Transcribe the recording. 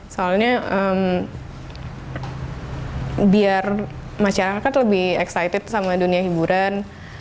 soalnya biar masyarakat lebih excited sama dunia hiburan